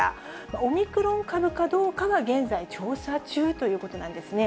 オミクロン株かどうかは現在、調査中ということなんですね。